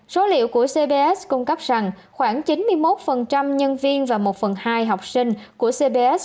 số liệu của cbs cung cấp rằng khoảng chín mươi một nhân viên và một phần hai học sinh của cbs